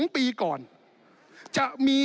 ๒ปีก่อนจะมี